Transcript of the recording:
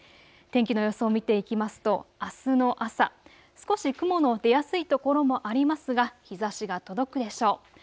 天気の様子を見ていきますとあすの朝、少し雲の出やすいところもありますが日ざしが届くでしょう。